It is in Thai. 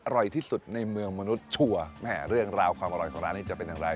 อร่อยที่สุดในเมืองมนุษย์ชัวร์แม่เรื่องราวความอร่อยของร้านนี้จะเป็นอย่างไร